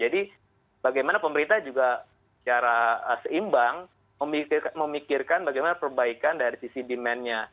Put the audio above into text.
jadi bagaimana pemerintah juga secara seimbang memikirkan bagaimana perbaikan dari sisi demandnya